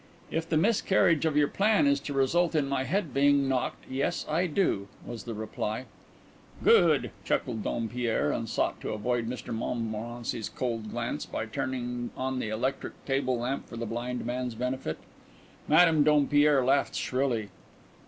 "If the miscarriage of your plan is to result in my head being knocked yes, I do," was the reply. "Good!" chuckled Dompierre, and sought to avoid Mr Montmorency's cold glance by turning on the electric table lamp for the blind man's benefit. Madame Dompierre laughed shrilly.